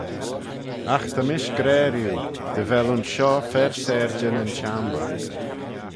Agh ta mish gra riu, dy vel ayns shoh fer syrjey na'n çhiamble.